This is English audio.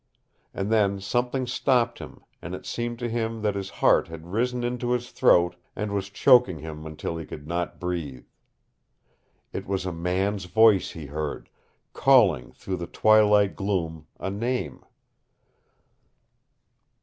And then something stopped him, and it seemed to him that his heart had risen into his throat and was choking him until he could not breathe. It was a man's voice he heard, calling through the twilight gloom a name.